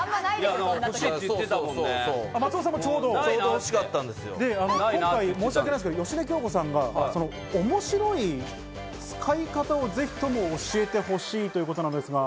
今回申し訳ないですけど芳根京子さんが面白い使い方をぜひとも教えてほしいということなんですが。